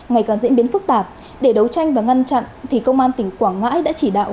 ngày càng diễn biến phức tạp để đấu tranh và ngăn chặn thì công an tỉnh quảng ngãi đã chỉ đạo